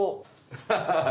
アハハハ！